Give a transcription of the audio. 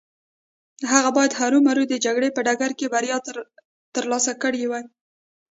هغه بايد هرو مرو د جګړې په ډګر کې بريا ترلاسه کړې وای.